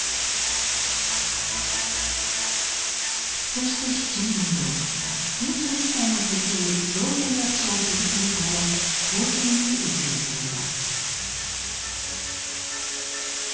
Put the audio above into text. そして７年後２１歳の時に狂言役者を続けるため東京に移り住みます。